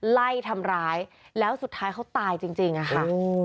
ไล่ทำร้ายแล้วสุดท้ายเขาตายจริงอะค่ะ